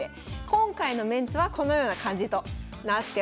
今回のメンツはこのような感じとなっております。